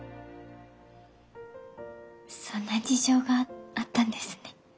そんな事情があったんですね。